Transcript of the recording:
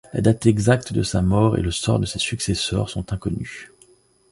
La date exacte de sa mort et le sort de ses successeurs sont inconnus.